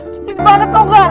gini banget tau gak